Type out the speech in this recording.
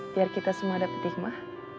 biar kita semua dapat hikmah